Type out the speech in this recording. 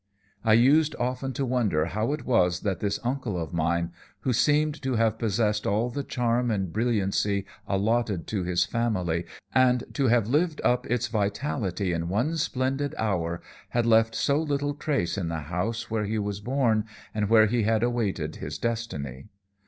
"I used often to wonder how it was that this uncle of mine, who seemed to have possessed all the charm and brilliancy allotted to his family and to have lived up its vitality in one splendid hour, had left so little trace in the house where he was born and where he had awaited his destiny.